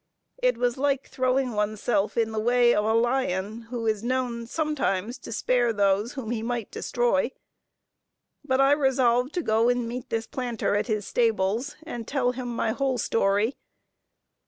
It was like throwing one's self in the way of a lion who is known sometimes to spare those whom he might destroy; but I resolved to go and meet this planter at his stables, and tell him my whole story.